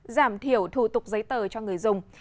giảm thiểu thủ tục giấy tờ cho người dùng